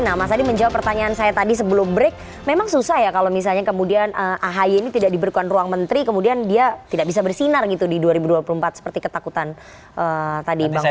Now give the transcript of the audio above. nah mas adi menjawab pertanyaan saya tadi sebelum break memang susah ya kalau misalnya kemudian ahy ini tidak diberikan ruang menteri kemudian dia tidak bisa bersinar gitu di dua ribu dua puluh empat seperti ketakutan tadi bang fer